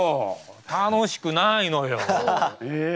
楽しくないのよ。え！